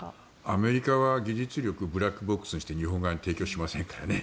アメリカは技術力ブラックボックスにして日本に提供しませんからね。